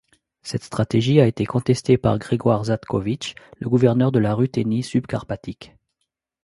Cette stratégie a été contestée par Grégoire Zatkovitch, le gouverneur de la Ruthénie subcarpatique.